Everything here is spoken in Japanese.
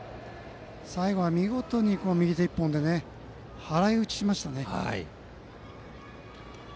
最後は見事に右手１本で払い打ちしました。